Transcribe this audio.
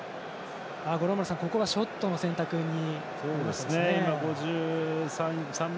五郎丸さん、ここはショットの選択になりましたね。